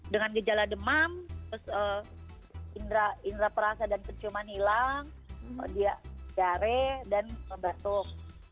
dengan gejala demam indera perasa dan penciuman hilang dia diare dan batuk